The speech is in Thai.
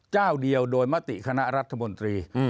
เจ้าเดียวโดยมติคณะรัฐมนตรี